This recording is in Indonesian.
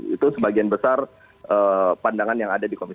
itu sebagian besar pandangan yang ada